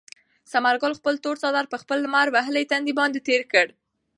ثمر ګل خپل تور څادر په خپل لمر وهلي تندي باندې تېر کړ.